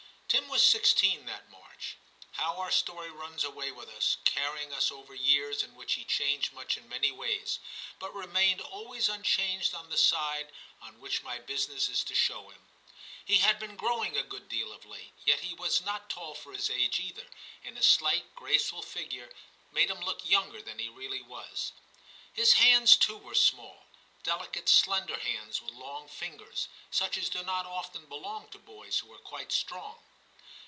Tim was sixteen that March. How our story runs away with us, carrying us over years in which he changed much in many ways, but remained always unchanged on the side on which my business is to show him. He had been growing a good deal of late, yet he was not tall for his age either, and his slight, graceful figure made him look younger than he really was. His hands too were small — delicate slender hands with long fingers, such as do not often belong to boys who are quite strong.